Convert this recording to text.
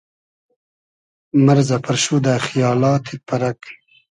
مئرزۂ پئرشودۂ خیالا تید پئرئگ